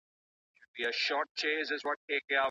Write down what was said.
ولي لېواله انسان د لایق کس په پرتله خنډونه ماتوي؟